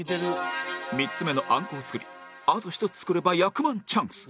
３つ目の暗刻を作りあと１つ作れば役満チャンス